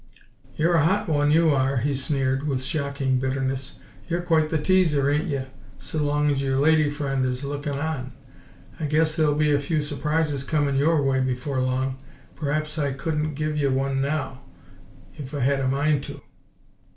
"You're a hot one, you are!" he sneered, with shocking bitterness. "You're quite the teaser, ain't ye, s'long's yer lady friend is lukkin' on! I guess they'll be a few surprises comin' YOUR way, before long. P'raps I cudn't give ye one now 'f I had a mind to."